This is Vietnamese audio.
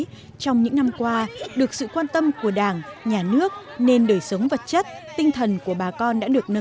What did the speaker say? đã được nâng cao nhưng trong những năm qua được sự quan tâm của đảng nhà nước nền đời sống vật chất tinh thần của bà con đã được nâng cao